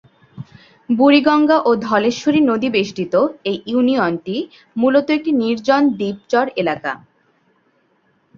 বুড়িগঙ্গা ও ধলেশ্বরী নদী বেষ্টিত এই ইউনিয়নটি মূলত একটি নির্জন দ্বীপ-চর এলাকা।